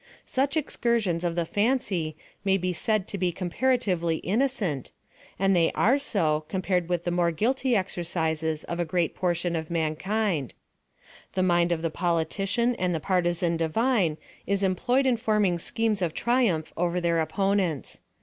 Such excur sions of the fancy may be said to bo comparatively innocent, and they are so, compared with the more guilty exercises of a great portion of mankind. The mind of the politician and the partisan divine is employed in forming schemes of triumph over their opponents.